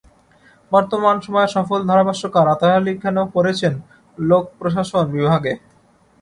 বর্তমান সময়ের সফল ধারাভাষ্যকার আতহার আলী খানও পড়েছেন লোক প্রশাসন বিভাগে।